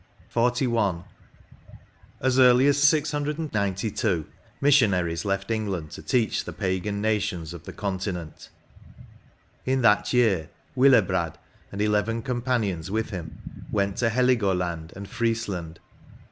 82 XLI. As early as 692, missionaries left England to teach the Pagan nations of the Continent ; in that year Willebrad, and eleven companions with him, went to Heligoland and Priesland.